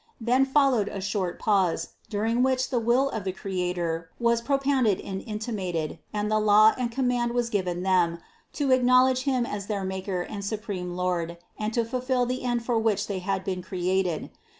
Then followed a short pause, during which the will of the Creator was propounded and intimated, and the law and command was given them, to acknowledge Him as their Maker and supreme Lord, and to fulfill the end for which they had been created.